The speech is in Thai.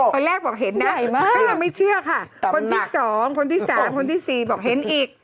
คนแรกบอกเห็นนะก็ยังไม่เชื่อค่ะคนที่สองคนที่สามคนที่๔บอกเห็นอีก